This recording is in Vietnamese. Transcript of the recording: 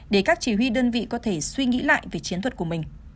để các chỉ huy đơn vị có thể suy nghĩ lại về chiến thuật của mình